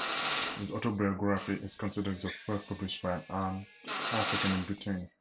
His autobiography is considered the first published by an African in Britain.